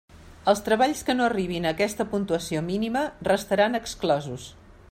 Els treballs que no arribin a aquesta puntuació mínima restaran exclosos.